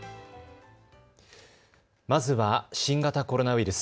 まずは新型コロナウイルス。